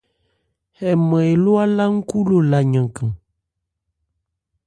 Hɛ nman eló álá-nkhú lo la yankan.